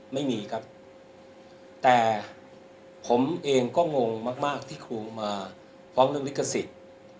ไม่มีครับแต่ผมเองก็งงมากที่ครูมาฟ้องเรื่องลิขสิทธิ์